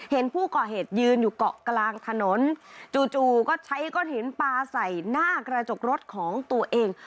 เห็นผู้ก่อเหตุยืนอยู่เกาะกลางถนนจู่ก็ใช้ก้อนหินปลาใส่หน้ากระจกรถของตัวเอง